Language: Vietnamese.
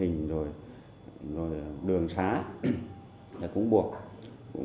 bắt giữa trường và sáp được lên